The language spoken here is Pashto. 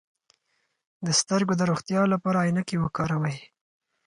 د سترګو د روغتیا لپاره عینکې وکاروئ